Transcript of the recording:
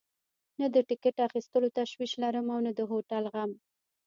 نه د ټکټ اخیستلو تشویش لرم او نه د هوټل غم.